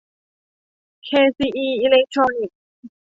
เคซีอี อีเลคโทรนิคส์